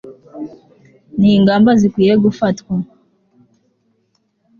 n'ingamba zikwiye gufatwa